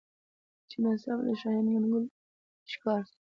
چي ناڅاپه د شاهین د منګول ښکار سو